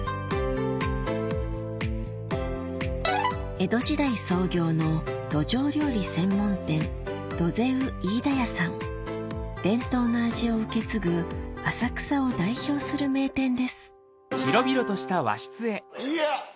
江戸時代創業の伝統の味を受け継ぐ浅草を代表する名店ですいや！